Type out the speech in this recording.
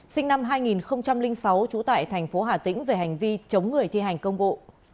sinh năm hai nghìn sáu trú tại thành phố hà tĩnh về hành vi chống người thi hành công vụ